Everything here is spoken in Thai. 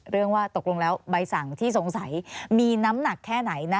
ว่าตกลงแล้วใบสั่งที่สงสัยมีน้ำหนักแค่ไหนนะ